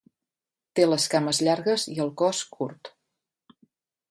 Té les cames llargues i el cos curt.